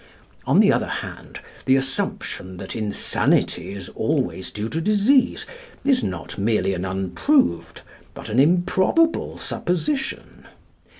On the other hand, the assumption that insanity is always due to disease is not merely an unproved, but an improbable supposition.